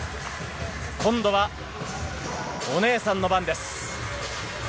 今度はお姉さんの番です。